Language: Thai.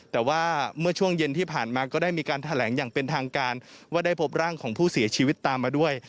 แต่ว่าเมื่อช่วงเย็นที่ผ่านมาก็ได้มีการแถลงอย่างเป็นทางการว่าได้พบร่างของผู้เสียชีวิตตามมาด้วย